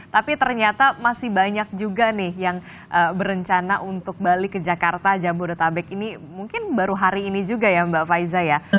tapi ternyata masih banyak juga nih yang berencana untuk balik ke jakarta jabodetabek ini mungkin baru hari ini juga ya mbak faiza ya